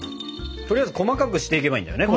とりあえず細かくしていけばいいんだよね？